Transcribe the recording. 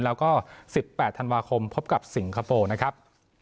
แล้วก็๑๘ธันวาคมพบกับสิงคโปร์นะครับ